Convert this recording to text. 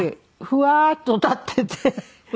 ふわっと立ってて。